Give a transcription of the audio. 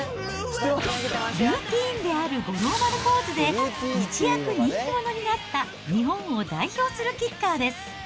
ルーティーンである五郎丸ポーズで、一躍人気者になった日本を代表するキッカーです。